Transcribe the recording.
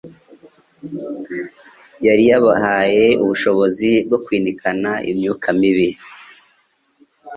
yari yabahaye ubushobozi bwo kwinikana imyuka mibi;